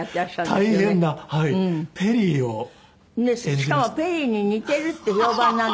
しかもペリーに似てるって評判なんで。